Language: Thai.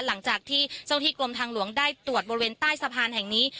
หลังจากที่เจ้าที่กรมทางหลวงได้ตรวจบริเวณใต้สะพานแห่งนี้